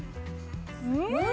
うん！